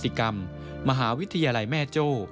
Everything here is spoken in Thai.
สิกรรมมหาวิทยาลัยแม่โจ้